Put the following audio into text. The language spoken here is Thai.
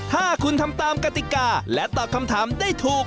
ถ้าคุณทำตามกติกาและตอบคำถามได้ถูก